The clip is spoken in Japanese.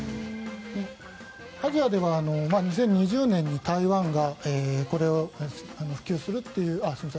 アジアでは２０２０年に台湾がこれを普及するという。